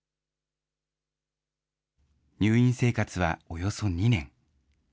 入院生活はおよそ２年。